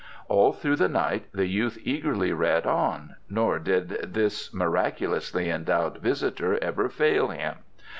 All through the night the youth eagerly read on, nor did this miraculously endowed visitor ever fail him.